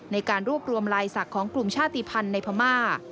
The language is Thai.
ในการรวบรวมลายศักดิ์ของกลุ่มชาติภัณฑ์ในพม่า